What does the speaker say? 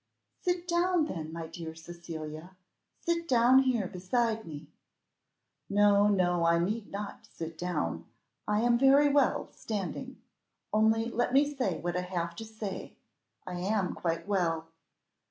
"Sit down, then, my dear Cecilia, sit down here beside me." "No, no, I need not sit down, I am very well, standing. Only let me say what I have to say. I am quite well."